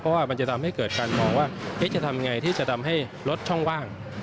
เพราะว่ามันจะทำให้เกิดการมองว่าจะทำอย่างไรที่จะทำให้ลดช่องว่าง